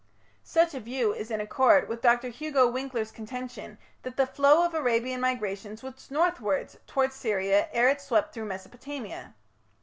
" Such a view is in accord with Dr. Hugo Winckler's contention that the flow of Arabian migrations was northwards towards Syria ere it swept through Mesopotamia.